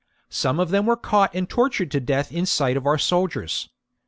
Some of them were caught and tortured to death in sight of our soldiers.